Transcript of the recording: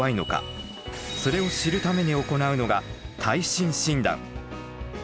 それを知るために行うのが耐震診断。